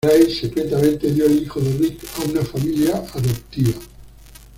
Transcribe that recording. Grace secretamente dio el hijo de Rick a una familia adoptiva.